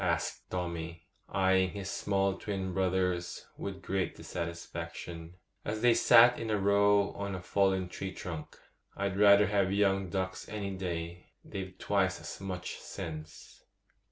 asked Tommy, eyeing his small twin brothers with great dissatisfaction, as they sat in a row on a fallen tree trunk. 'I'd rather have young ducks any day; they've twice as much sense.